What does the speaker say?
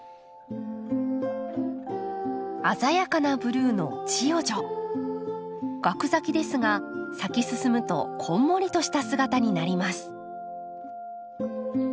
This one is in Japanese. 鮮やかなブルーのガク咲きですが咲き進むとこんもりとした姿になります。